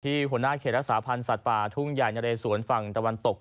หัวหน้าเขตรักษาพันธ์สัตว์ป่าทุ่งใหญ่นะเรสวนฝั่งตะวันตก